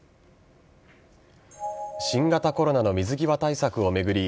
新型コロナの水際対策を巡り